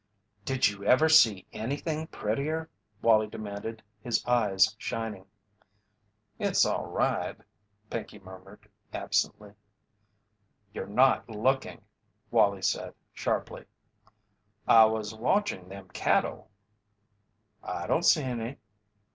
"Did you ever see anything prettier?" Wallie demanded, his eyes shining. "It's all right," Pinkey murmured, absently. "You're not looking," Wallie said, sharply. "I was watchin' them cattle." "I don't see any."